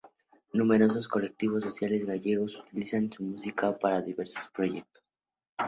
Numerosos colectivos sociales gallegos utilizan su música para diversos proyectos.